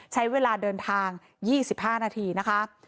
ใช้เวลาเดินทาง๒๕นาทีนะคะ